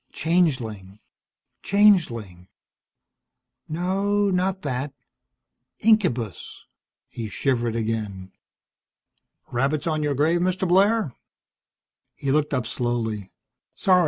Changeling, changeling No, not that. Incubus! He shivered again. "Rabbits on your grave, Mr. Blair?" He looked up slowly. "Sorry.